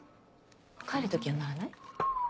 帰る時はならない？